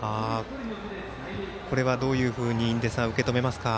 どういうふうに印出さん受け止めますか？